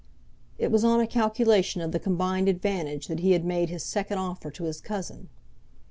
It was on a calculation of the combined advantage that he had made his second offer to his cousin.